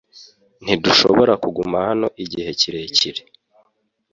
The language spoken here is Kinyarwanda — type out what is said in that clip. Ntidushobora kuguma hano igihe kirekire .